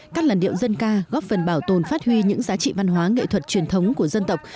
các làn điệu dân ca góp phần bảo tồn phát huy những giá trị văn hóa nghệ thuật truyền thống của dân tộc